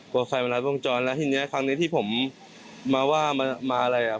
กลัวใครมันรัดพุ่งชนครับและคนนี้คือครั้งนี้ที่ผมมาว่ามันมาอะไรนะฮะ